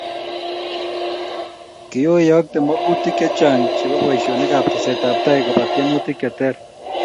kioyokte makutik chechang' chebo boisionikab tesetabtai koba tiemutik che teer.